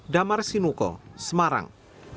damar sinuko semarang